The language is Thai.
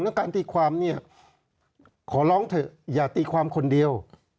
แล้วการตีความเนี่ยขอร้องเถอะอย่าตีความคนเดียว